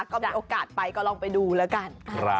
ก็มีโอกาสไปก็ลองไปดูแล้วกัน